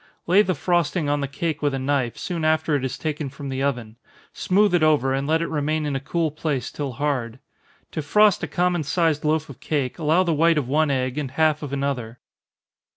Lay the frosting on the cake with a knife, soon after it is taken from the oven smooth it over, and let it remain in a cool place till hard. To frost a common sized loaf of cake, allow the white of one egg, and half of another.